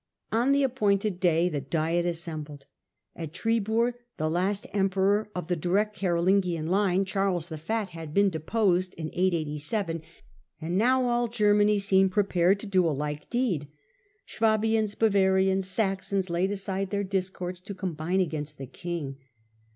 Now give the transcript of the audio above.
On the appointed day the diet assembled. At Tribur the last emperor of the direct Carolingian line. Diet of Charles the Fat, had been deposed (887), and o^^ 16 ^^^^ Germany seemed prepared to do a like 1076 deed. Swabians, Bavarians, Saxons laid aside their discords to combine against the king.